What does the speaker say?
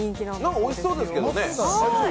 おいしそうですけどね。